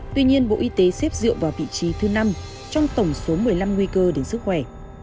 tuy nhiên bộ y tế xếp dựa vào vị trí thứ năm trong tổng số một mươi năm nguy cơ đến sức khỏe